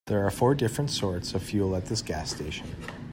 There are four different sorts of fuel at this gas station.